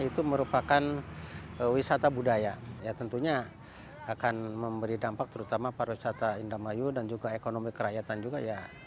itu merupakan wisata budaya ya tentunya akan memberi dampak terutama pariwisata indramayu dan juga ekonomi kerakyatan juga ya